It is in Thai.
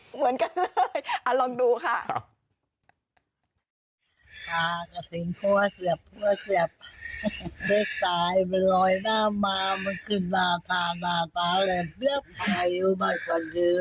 เหมือนกันเลยลองดูค่ะ